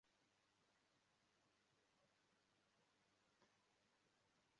Umukobwa ukiri muto ufite umusatsi wumuhondo